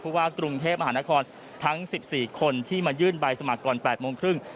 ว่ากรุงเทพมหานครทั้ง๑๔คนที่มายื่นใบสมัครก่อน๘โมงครึ่ง